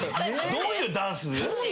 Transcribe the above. どういうダンス？